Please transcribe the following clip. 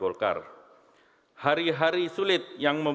kami berharap bahwa kekuatan politik ini akan menjadi kekuatan yang matang